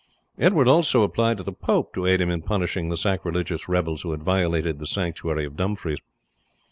Edward also applied to the pope to aid him in punishing the sacrilegious rebels who had violated the sanctuary of Dumfries.